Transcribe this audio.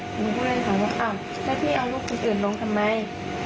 หนูก็เลยถามว่าเอาลูกคนอื่นลงทำไม